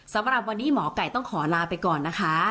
สำหรับวันนี้หมอไก่ต้องขอลาไปก่อนนะคะ